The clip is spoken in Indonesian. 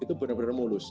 itu benar benar mulus